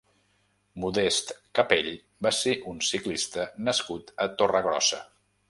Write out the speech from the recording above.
Modest Capell va ser un ciclista nascut a Torregrossa.